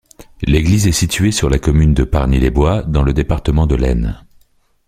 L'église est située sur la commune de Pargny-les-Bois, dans le département de l'Aisne.